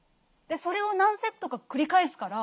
それを何セットか繰り返すから